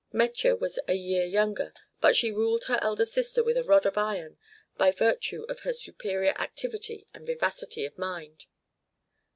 Metje was a year younger, but she ruled her elder sister with a rod of iron by virtue of her superior activity and vivacity of mind.